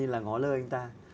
em gói lơ anh ta